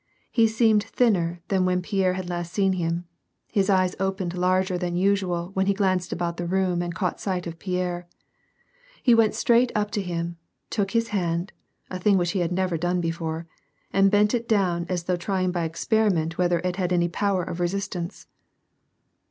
He seemed thinner than when I^ierre had last seen him ; his eyes opened larger than usual when he glanced al)out the room and caught sight of Pierre. He went straight up to him, took his hand, (a thing which he had never done before) and bent it down as though trying by experiment whether it had any power of resistance.